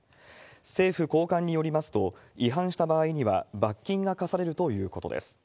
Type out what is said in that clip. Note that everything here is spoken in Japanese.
政府高官によりますと、違反した場合には、罰金が科されるということです。